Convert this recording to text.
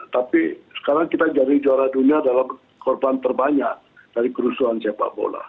tapi sekarang kita jadi juara dunia dalam korban terbanyak dari kerusuhan sepak bola